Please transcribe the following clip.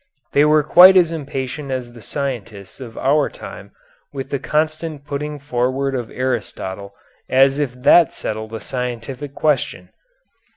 They were quite as impatient as the scientists of our time with the constant putting forward of Aristotle as if that settled a scientific question.